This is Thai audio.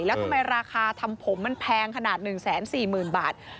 แล้วทำไมราคาทำผมมันแพงขนาด๑๔๐๐๐บาท